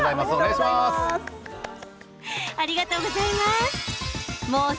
お願いします。